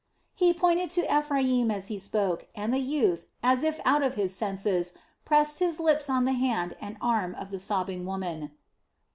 He pointed to Ephraim as he spoke and the youth, as if out of his senses, pressed his lips on the hand and arm of the sobbing woman.